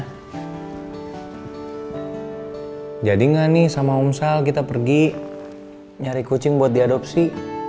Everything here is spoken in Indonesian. hai jadi nggak nih sama om sal kita pergi nyari kucing buat diadopsi